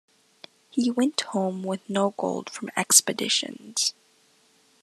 He went home with no gold from Expeditions.